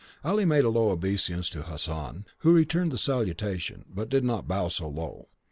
Ali made a low obeisance to Hassan, who returned the salutation, but did not bow so low.